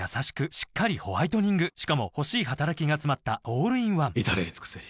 しっかりホワイトニングしかも欲しい働きがつまったオールインワン至れり尽せり